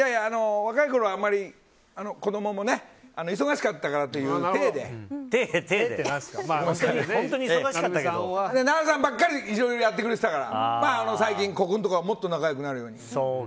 若いころはあんまり子供も忙しかったからというていで成美さんばっかりいっしょにやってくれてたから最近はもっと仲良くなるように。